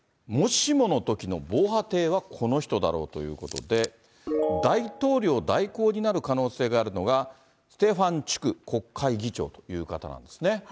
もしものときの防波堤はこの人だろうということで、大統領代行になる可能性があるのが、ステファンチュク国会議長という方なんですね。